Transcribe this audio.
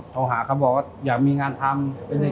โทรหาเขาบอกว่าอยากมีงานทำ